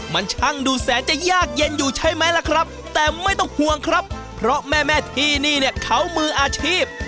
มันช่างดูแสนจะยากเย็นอยู่ใช่ไหมล่ะครับแต่ไม่ต้องห่วงครับเพราะแม่แม่ที่นี่เนี่ยเขามืออาชีพ